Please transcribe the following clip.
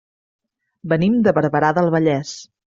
Venim de Barberà del Vallès.